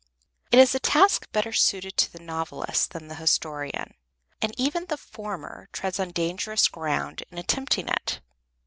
It is a task better suited to the novelist than the historian, and even the former treads on dangerous ground in attempting it.